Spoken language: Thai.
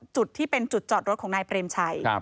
จุดที่เป็นจุดจอดรถของนายเปรมชัย